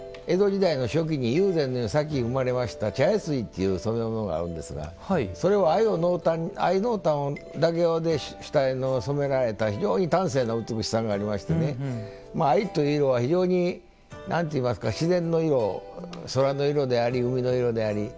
その中で江戸時代の初期に友禅の先に生まれましたちゃやすじという染物があるんですが藍濃淡だけで染められた非常に端正な美しさがありましてね藍というのは非常に自然の色空の色であり、海の色であり。